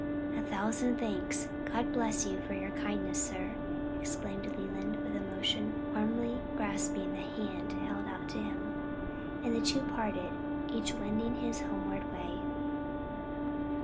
"A thousand thanks! God bless you for your kindness, sir!" exclaimed Leland, with emotion, warmly grasping the hand held out to him; and the two parted, each wending his homeward way.